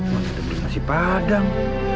masa itu berhasil padang